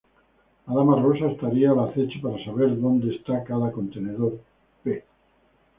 La Dama Rosa estaría al acecho para saber donde está cada contenedor pe.